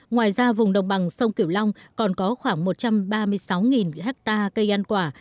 ngoài ra vùng đồng bằng sông kiểu long còn có khoảng một trăm ba mươi sáu ha cây ăn quả